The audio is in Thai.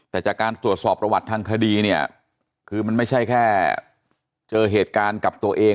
แต่จากการตรวจสอบประวัติทางคดีเนี่ยคือมันไม่ใช่แค่เจอเหตุการณ์กับตัวเอง